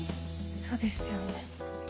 そうですよね。